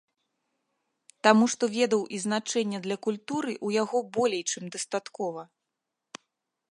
Таму што ведаў і значэння для культуры у яго болей чым дастаткова.